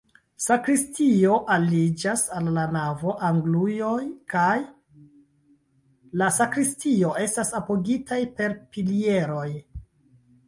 Sakristio aliĝas al la navo, anguloj de la sakristio estas apogitaj per pilieroj.